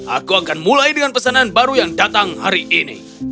aku akan mulai dengan pesanan baru yang datang hari ini